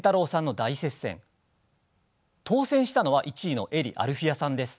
当選したのは１位の英利アルフィヤさんです。